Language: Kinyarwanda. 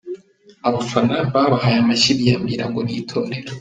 Abafana babahaye amashyi biyamira ngo n’ itorero.